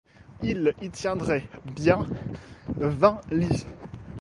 Il y tiendrait bien vingt lits!